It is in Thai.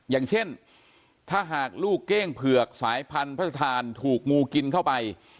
อย่างเช่นถ้าหากลูกเก้งเผือกสายพันธทานถูกงูกินเข้าไป